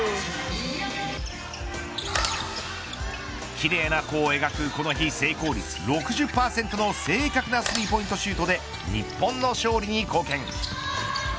奇麗な弧を描くこの日、成功率６０％の正確なスリーポイントシュートで日本の勝利に貢献。